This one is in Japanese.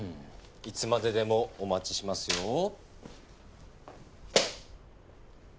いつまででもお待ちしますよ。